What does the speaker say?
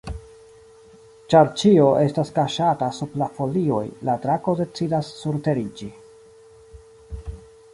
Ĉar ĉio estas kaŝata sub la folioj, la drako decidas surteriĝi.